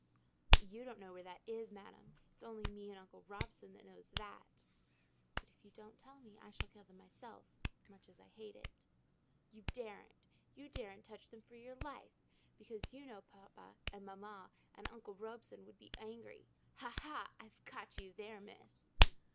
"But you don't know where that is, Madam: it's only me and uncle Robson that knows that." "But if you don't tell me, I shall kill them myself—much as I hate it." "You daren't. You daren't touch them for your life! because you know papa and mamma, and uncle Robson, would be angry. Ha, ha! I've caught you there, Miss!"